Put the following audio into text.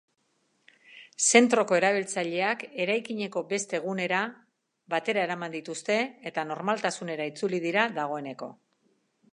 Zentroko erabiltzaileak eraikineko beste gunera batera eraman dituzte eta normaltasunera itzuli dira dagoeneko.